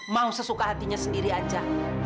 mau sesuka hatinya sendiri aja